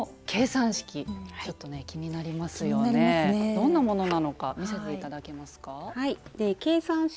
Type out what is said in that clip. どんなものなのか見せて頂けますか？